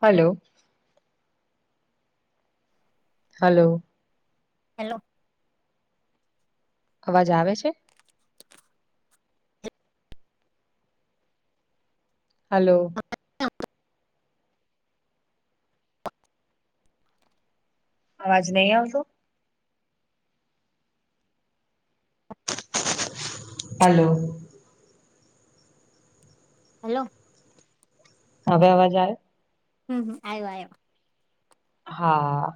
Hello. Hello. Hello. અવાજ આવે છે. હલો. અવાજ નઈ આવતો. હાલો હલો. હવે અવાજ આવે. હમ હમ આવ્યો આવ્યો. હા.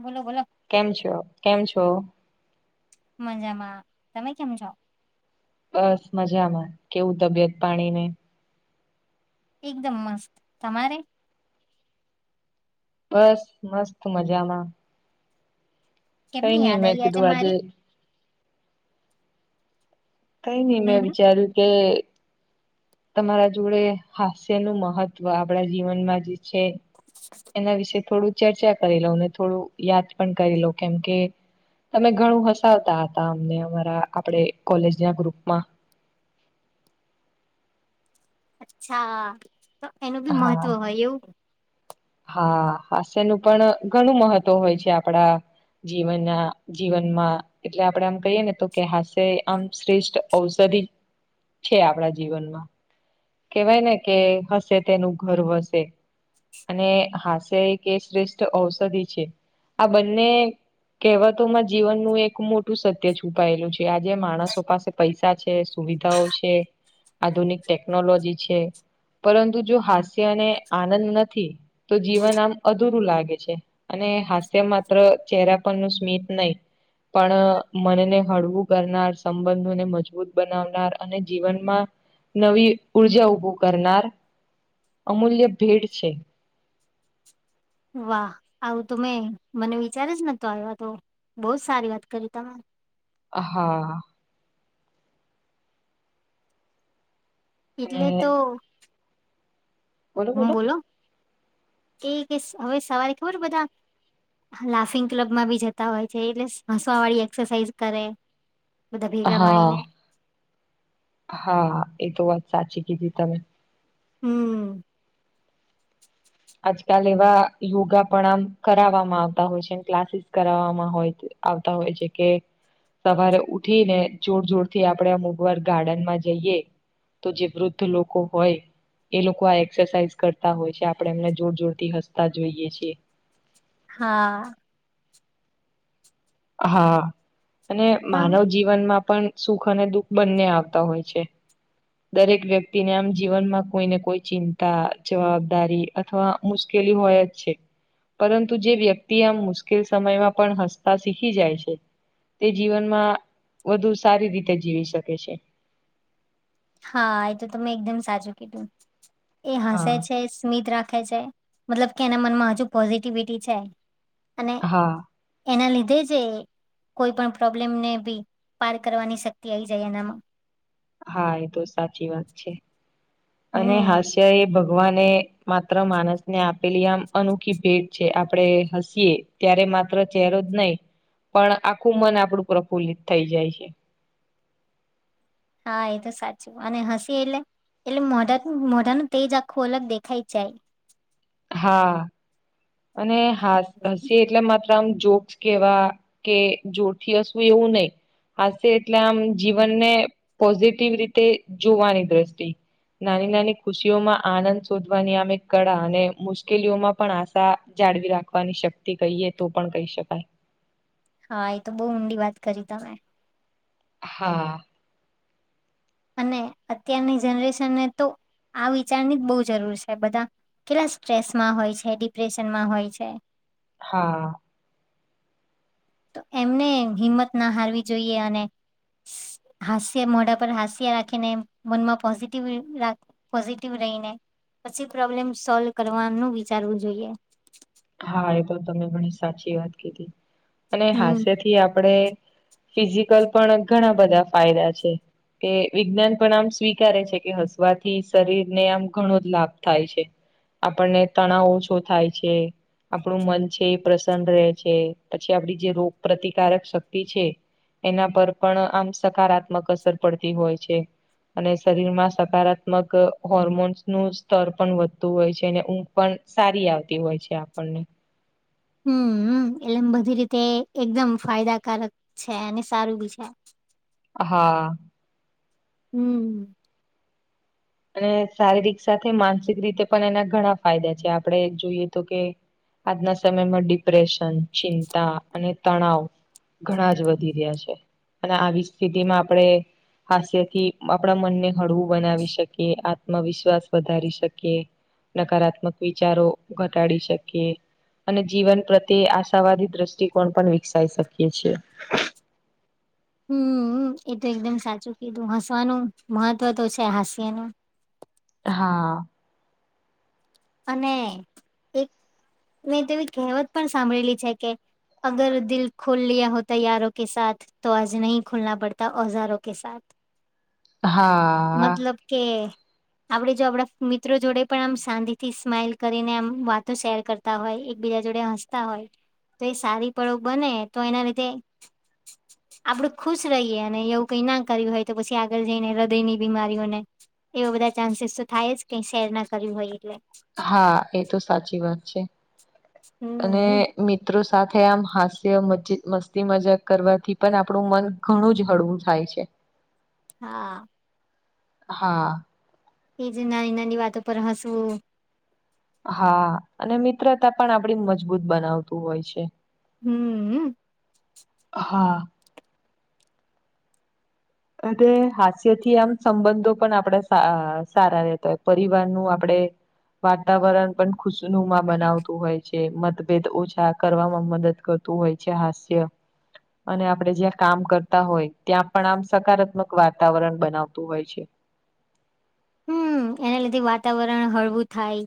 બોલો બોલો. કેમ છો કેમ છો. મજામાં તમે કેમ છો. બસ મજામાં કેવું તબિયત પાણી ને. એકદમ મસ્ત તમારે. બસ મસ્ત મજામાં. કઈ કેમની નઈ યાદ મેં આયી આજે કીધું મારી. કઈ ની હમ મેં હમ. વિચાર્યું કે. તમારા જોડે હાસ્ય નું મહત્વ આપડા જીવનમાં જે. છે એના વિશે થોડું. ચર્ચા કરી લઉ ને થોડું યાદ પણ કરી લઉ કેમ કે. અમે ઘણું હસાવતા હતા અમને અમારા આપડે કોલેજ ના ગ્રુપમાં. અચ્છા તો એનું બી હા મહત્વ હોય એવું હા હાસ્યનું પણ ઘણું મહત્વ હોય છે આપડા જીવનના જીવનમાં એટલે આપડે આમ કહીએ ને તો કે હાસ્ય આમ શ્રેષ્ઠ ઔષધિ છે આપડા જીવનમાં કેવાય ને કે હશે તેનું ઘર વસે અને હાસ્ય એક શ્રેષ્ઠ ઔષધિ છે આ બંને કહેવતોમાં જીવનનું એક મોટું સત્ય છુપાયેલું છે આજે માણસો પાસે પૈસા છે સુવિધાઓ છે આધુનિક ટેકનોલોજી છે પરંતુ જો હાસ્ય અને આનંદ નથી તો જીવન આમ અધૂરું લાગે છે અને હાસ્ય માત્ર ચહેરા પરનુ સ્મિત નહી પણ મનને હળવું કરનાર, સંબંધોને મજબૂત બનાવનાર અને જીવનમાં નવી ઊર્જા ઉભું કરના અમૂલ્ય ભેટ છે વાહ, આવું તો મેં મને વિચારે જ નતો આવ્યા આતો બહુજ સારી વાત કરી તમે હા એટલે અને તો હું, બોલો, એ કે હવે સવારે ખબર બધા લાફિંગ ક્લબ માં બી જતા હોય છે, એટલે હસવા વાળી એક્સરસાઇઝ કરે બધા ભેગા મળીને હા હા, એ તો વાત સાચી કીધી તમે હમ આજકાલ એવા યોગા પણ આમ કરાવવામાં આવતા હોય છેક્લાસીસ કરાવવામાં હોય આવતા હોય છે કે સવારે ઉઠી ને જોર જોર થી આપણે અમુકવાર ગાર્ડન માં જઈએ તો જે વૃદ્ધ લોકો હોય એ લોકો આ એક્સરસાઇઝ કરતા હોય છે આપણે એમને જોર જોર થી હસતા જોઈએ છીએ હા હા, અને પણ માનવ જીવનમાં પણ સુખ અને દુઃખ બંને આવતા હોય છે દરેક વ્યક્તિને આમ જીવનમાં કોઈને કોઈ ચિંતા, જવાબદારી અથવા મુશ્કેલી હોય જ છે પરંતુ જે વ્યક્તિ આમ મુશ્કેલ સમયમાં પણ હસતા શીખી જાય છે તે જીવનમાં વધુ સારી રીતે જીવી શકે છે હા, એ તો તમે એકદમ સાચું કીધું એ હસે હા છે, સ્મિત રાખે છે મતલબ કે એના મનમાં હજુ પોઝિટિવિટી છે અને હા એના લીધે જે કોઈ પણ પ્રોબ્લેમને બી પાર કરવાની શક્તિ આઈ જાય એનામાં હા, એ તો સાચી વાત છે અને હમ હાસ્ય એ ભ ભગવાને માત્ર માણસ ને આપેલી આમ અનોખી ભેટ છે આપણેે હસીએ ત્યારે માત્ર ચહેરો જ નહી પણ આખું મન આપડું પ્રફુલ્લિત થઈ જાય છે હા, એ તો સાચું અને હસી એટલે એટલે મોઢા, મોઢાનનું તેજ આખું અલગ દેખાય જાય હા, અને હ હસી એટલે એકદમ જોક્સ કેવા કે જોરથી હસવું એવું નઈ હાશે એટલે આમ જીવનને પોઝિટિવ રીતે જોવાની દ્રષ્ટિ નાની નાની ખુશીઓમાં આનંદ શોધવાની આમ કળા અને મુશ્કેલીઓ માં પણ આ જાળવી રાખવાની શક્તિ કહીએ તો પણ કહી શકાય હા, એ તો બહુ ઊંડી વાત કરી તમે હા અને અત્યારની જનરેશનને તો આ વિચારની જ બહુ જરૂર છે બધા કેટલા સ્ટ્રેસમાં હોય છે ડિપ્રેશનમાં હોય છે હા તો એમને હિંમત ના હારવી જોઈએ અને હાસ્ય મોઢા પર હાસ્ય રાખીને મનમાં પોઝિટિવ રાખ પોઝિટિવ રહીને પછી પ્રોબ્લેમ સોલ્વ કરવાનું વિચારવું જોઈએ હા, એ તો તમે ઘણી સાચી વાત કીધી અને હમ હાસ્યથી આપણે ફિઝિકલ પણ ઘણા બધા ફાયદા છે કે વિજ્ઞાન પણ આમ સ્વીકારે છે કે હસવાથી શરીરને આમ ઘણો જ લાભ થાય છે આપણને તણાવ ઓછો થાય છે આપણું મન છે એ પ્રસન્ન રહે છે પછી આપડી જે રોગ પ્રતિકારક શક્તિ છે એના પર પણ આમ સકારાત્મક અસર પડતી હોય છે અને શરીરમાં સકારાત્મક હોર્મોન્સ નું સ્તર પણ વધતું હોય છે અને ઉ ઘ પણ સારી આવતી હોય છે આપણને હમ એટલે બધી રીતે એકદમ ફાયદાકારક છે અને સારું બી છે હા હમ અને શારીરિક સાથે માનસિક રીતે પણ એના ઘણા ફાયદા છે આપણે જોઈએ તો કે આજના સમયમાં ડિપ્રેશન ચિંતા અને તણાવ ઘણા જ વધી રહ્યા છે અને આવી સ્થિતિ માં આપણે હાસ્ય થી આપણા મનને હળવું બનાવી શકીએ કે આત્મવિશ્વાસ વધારી શકીએ નકારાત્મક વિચારો ઘટાડી શકીએ અને જીવન પ્રત્યે આશાવાદી દ્રષ્ટિકોણ પણ વિકસાઈ શકીએ છીએ હમ એ તો એકદમ સાચું કીધું હસવાનું મહત્વ તો છે હાસ્ય ન હા અને એક મેં તોવી કહેવત પણ સાંભળેલી છે કે અગર દિલ્લ ખોલ લયા હો ત યારો કે સાથ તો આજ નહી ખુલના પડતા ઔઝારો કે સા હા કે આપડે જો આપડા મિત્રો જોડે પણ આમ શાંતિ થી સ્માઈલ કરીને આમ વાતો શેર કરતા હોય એકબીજા જોડે હસતા હોય તો એ સારી પડોગ બને તો એના લીધે [inaudible] આપડું ખુશ રહીએ અને એવું કઈ ના કર્યું હોય તો પછી આગળ જઈને હૃદય ની બીમારીઓને એવા બધા ચાન્સીસ તો થાય જ કઈ શેર ના કર્યું હોય એટલે હા એ તો સાચી વાત છે અને હમ મિત્રો સાથે આમ હાસ્ય મ મસ્તી મજાક કરવાથી પણ આપણું મન ઘણું જ હળવું થાય છે હા હા એ જ નાની નાની વાતો પર હસવું હા અને મિત્રતા પણ આપડી મજબૂત બનાવતું હોય છે હમ હા અને હાસ્ય થી આમ સંબંધો પણ આપણે સારા રહેેતા હોય પરિવાર નું આપડે વાતાવરણ પણ ખુશનુમાં બનાવતું હોય છે મતભેદ ઓછા કરવામાં મદદ કર હોય છે હાસ્ય અને આપણે જ્યાં કામ કરતા હોય ત્યાં પણ આમ સકારાત્મક વાતાવરણ બનાવતું હોય છે હમ એના લીધે વાતાવરણ હળવું થાય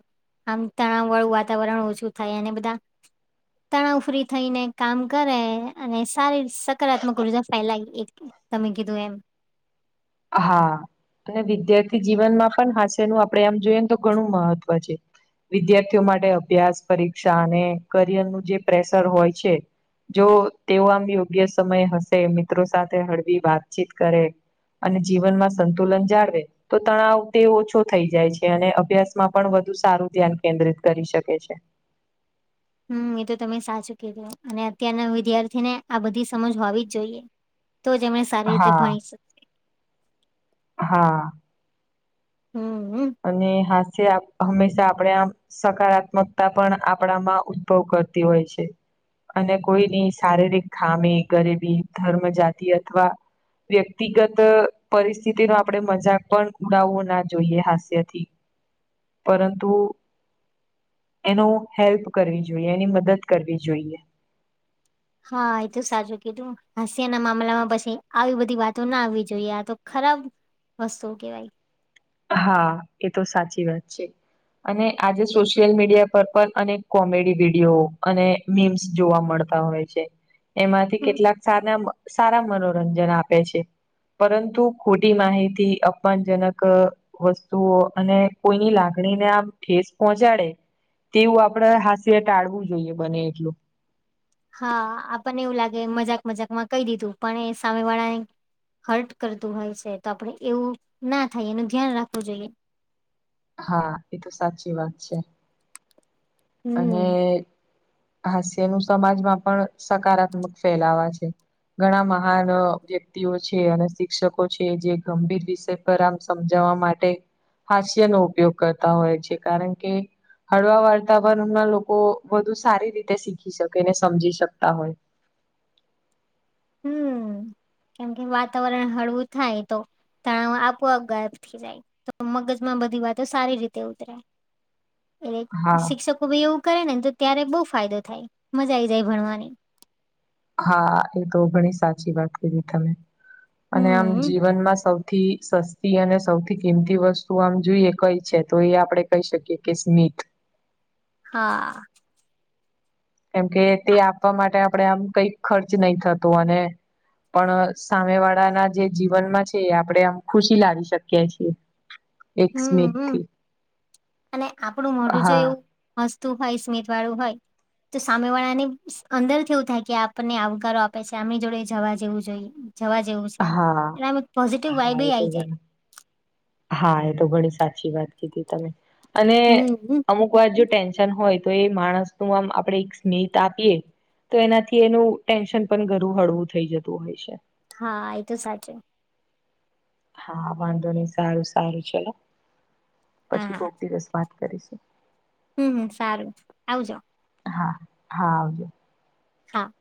આમ તણાવ વાળું વાતાવરણ ઓછું થાય અનેને બધા તણાવ ફ્રી થઈને કામ કરે અને સારી સકારાત્મક ઉર્જા ફેલાવી એ તમે કીધું એમ હા અને વિદ્યાર્થી જીવનમાં પણ હાસ્યનું આપડે એમ જોઈએ તો ઘણું મહત્વ છે. વિદ્યાર્થીઓ માટે અભ્યાસ પરીક્ષા અને કરિયર નું જે પ્રેશર હોય છે. જો તેઓ આમ યોગ્ય સમય હશે મિત્રો સાથે હળવી વાતચીત કરે અને જીવન માં સંતુલન જાળવે તો તણાવ તે ઓછો થઈ જાય છે અને અભ્યાસમાં પણ વધુ સારું ધ્યાન કેન્દ્રિત કરી શકે છે. હમ્મ એ તો તમે સાચું કીધો અને અત્યારના વિદ્યાર્થી ને આ બધી સમજ હોવી જ જોઈએ. તો જ એમણે સારી રીતે હા ભણી શકે હા. હમ્મ હમ્મ. અને હાસ્ય હંમેશા આપણે આમ સકારાત્મકતા પણ આપણામાં ઉદ્ભવ કરતી હોય છે. અને કોઈની શારીરિક ખામી ગરીબી ધર્મ જાતિ અથવા વ્યક્તિગત પરિસ્થિતિ નો આપણેે મજાક પણ ઉડાવવો ના જોઈએ હાસ થી પરંતુ એનો હેલ્પ કરવી જોઈએ એની મદદ કરવી જોઈએ. હા એ તો સાચું કીધું હાસિયા ના મામલામાં પછી આવી બધી વાતો ના આવવી જોઈએ આ તો ખરાબ હશો કેવાય. હા એ તો સાચી વાત છે. અને આજે સોશિયલ મીડિયા પર પણ અનેક કોમેડી વિડીયો અને મીમ્સ જોવા મળતા હોય છે એમાંથી હમ કેટલાક સારા અ સારા મનોરંજન આપે છે પરંતુ ખોટી માહિતી અપમાનજનક અ વસ્તુઓ અને કોઈની લાગણી ને આમ ઠેસ પહોંચાડે તેવું આપડે હાસ્ય ટાળવું જોઈએ બને એટલું હા આપણને એવું લાગે મજાક મજાક માં કહી દીધું પણ એ સામે વાળાને હર્ટ કરતું હોય છે તો આપડે એવું ના થાય એનું ધ્યાન રાખવું જોઈએ. હા એ તો સાચી વાત છે. હમ અને હાસ્ય નું સમાજમાં પણ સકારાત્મક ફેલાવા છે. ઘણા મહાન વ્યક્તિઓ છે અને શિક્ષકો છે જે ગંભીર વિષય ગરામ સમજાવવા માટે હાસ્યનો ઉપયોગ કરતા હોય છે કારણ કે હળવા વાર્તાવરણમાં લોકો વધુ સારી રીતે શીખી શકે ને સમજી શકતા હોય હમ્મ કેમ કે વાતાવરણ હળવું થાય તો તણાવ આપો આપ ગાયબ થઈ જાય તો મગજમાં બધી વાતો સારી રીતે ઉતરે એટલે હા શિક્ષકો ભી એવું કરે ને તો ત્યારે બહુ ફાયદો થાય મજા આ આવી જાય ભણવાની હા એ તો ઘણી સાચી વાત કરી તમે અને આમ હમ જીવનમાં સૌ થી સસ્તી અને સૌથી કિંમતી વસ્તુ આમ જોઈએ કઈ છે તો એ આપડણે કહી શકીએ કે સ્મીથ હા. કેમકે તે આપવા માટે આપણેે આમ કઈ ખર્ચ નહી થતો અને પણ સામે વાળા ના જે જીવનમાં છે એ આપડણે આમ ખુશી લાવી શકીએ છીએ. એક હમ સ્મિત હમ થી અને આપણું મોઢુ જો હા એવું હસ્તુ હોય સ્મિત વાળું હોય તો સામે વાળાની અંદર થી એવું થાય કે આપને આવકારો આપે છે આમની જોડે જવા જેવું જોઈએ. જવા જેવું છે હા એટલે આમ પોઝિટિવ વાઇબ હા આ એ તો આવી જાય. ઘણી હા એ તો ઘણી સાચી વાત કીધી તમે અને હમ અમુક કોય હજુ જો ટેન્શન હોય તો એ માણસ નું આમ આપડે એક સ્મિત આપીએ તો એનાથી એનું ટેન્શન પણ ઘણું હળવું થઈ જતું હોય છે. હા એ તો સાચું હા વાંધો ની સારું સારું ચલો હા પછી કોક દિવસ વાત કરીશું. હમ્મ હમ્મ સારું આવજો. હા હા આવજો હા.